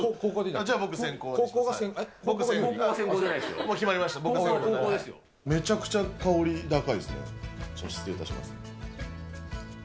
じゃあ失礼いたします。